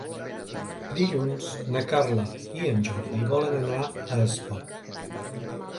Dilluns na Carla i en Jordi volen anar a Espot.